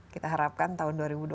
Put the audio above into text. kita harapkan tahun dua ribu dua puluh